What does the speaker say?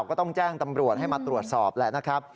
ก็ต้องแจ้งตำรวจให้มาตรวจสอบแหละนะครับ